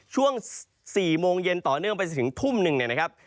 ช่วง๔โมงเย็นต่อเนื่องไปจนถึงทุ่มหนึ่งเนี่ยนะครับ